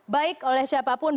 baik oleh siapapun